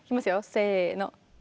せの。